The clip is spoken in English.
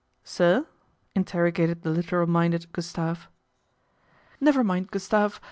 " Sir ?" interrogated the literal minded Gus tave. " Never mind, Gustave.